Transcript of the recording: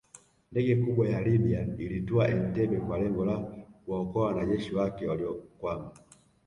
Ndege kubwa ya Libya ilitua Entebbe kwa lengo la kuwaokoa wanajeshi wake waliokwama